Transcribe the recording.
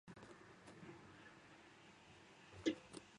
でも、誰も彼を連れ戻そうとは思わなかった